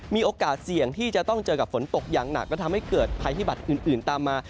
มีโอกาสเสี่ยงที่จะต้องเจอกับฝนตกอย่างหนักและทำให้เกิดภัยพิบัตรอื่นตามมา